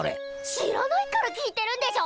知らないから聞いてるんでしょ！